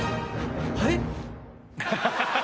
「はい⁉」